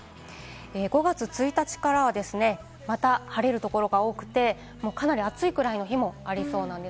５月１日からまた晴れる所が多くて、かなり暑いくらいの日もありそうなんです。